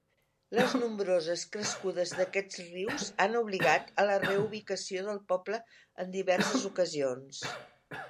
Les nombroses crescudes d'aquests rius han obligat a la reubicació del poble en diverses ocasions.